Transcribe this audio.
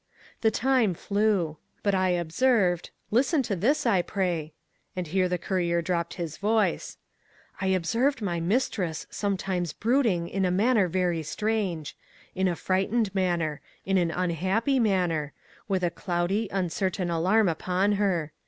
The time flew. But I observed—listen to this, I pray! (and here the courier dropped his voice)—I observed my mistress sometimes brooding in a manner very strange; in a frightened manner; in an unhappy manner; with a cloudy, uncertain alarm upon her.